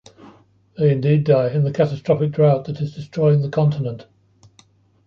They indeed die in the catastrophic drought that is destroying the continent.